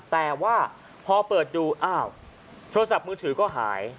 แต่ว่าพอเปิดดูอ้าวโทรศัพท์มือถือก็หาย